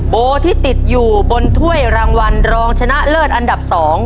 โบที่ติดอยู่บนถ้วยรางวัลรองชนะเลิศอันดับ๒